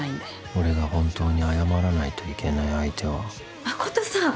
俺が本当に謝らないといけない相手は。